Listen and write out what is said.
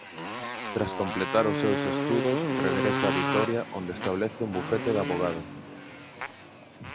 Tras completar os seus estudos regresa a Vitoria onde estabelece un bufete de avogado.